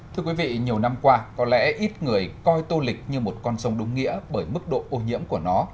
thưa quý vị nhiều năm qua có lẽ ít người coi tô lịch như một con sông đúng nghĩa bởi mức độ ô nhiễm của nó